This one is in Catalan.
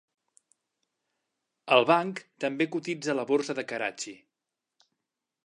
El banc també cotitza a la Borsa de Karachi.